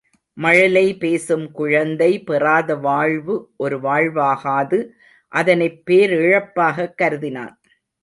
மழலை பேசும் குழந்தை பெறாத வாழ்வு ஒரு வாழ்வாகாது அதனைப் பேரிழப்பாகக் கருதினான்.